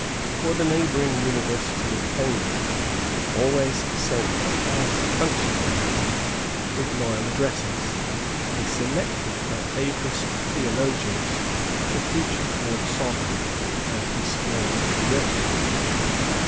For the neighbouring University of Cambridge always sent her highest functionaries with loyal addresses, and selected her ablest theologians to preach before the Sovereign and his splendid retinue.